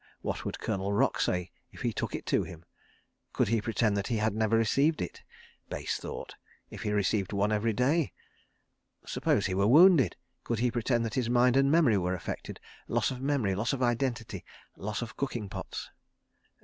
What would Colonel Rock say if he took it to him? Could he pretend that he had never received it. Base thought! If he received one every day? ... Suppose he were wounded. Could he pretend that his mind and memory were affected—loss of memory, loss of identity, loss of cooking pots?